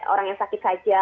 orang yang sakit saja